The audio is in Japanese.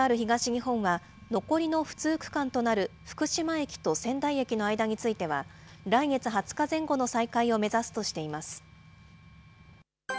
ＪＲ東日本は、残りの不通区間となる福島駅と仙台駅の間については、来月２０日前後の再開を目指すとしています。